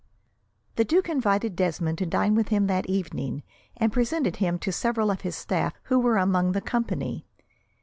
The duke invited Desmond to dine with him that evening, and presented him to several of his staff who were among the company.